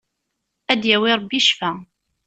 Ad d-yawi Rebbi ccfa!